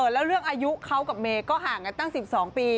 แล้วเรื่องอายุเขากับเมย์ก็ห่างกันตั้ง๑๒ปี